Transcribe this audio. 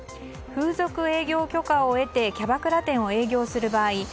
風俗営業許可を得てキャバクラ店を営業する場合